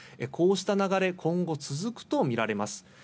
こうした流れが今後も続くとみられます。